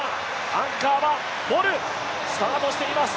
アンカーはボル、スタートしています。